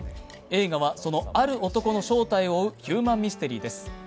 映画は、そのある男の正体を追うヒューマンミステリーです。